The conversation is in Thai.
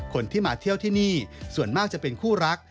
คนที่มาเที่ยวที่นี่ส่วนมากจะเป็นคู่รัก